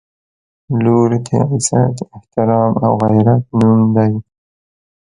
• لور د عزت، احترام او غیرت نوم دی.